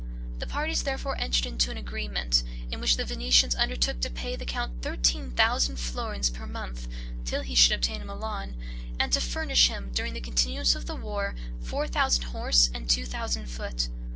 The parties therefore entered into an agreement, in which the Venetians undertook to pay the count thirteen thousand florins per month, till he should obtain Milan, and to furnish him, during the continuance of the war, four thousand horse and two thousand foot.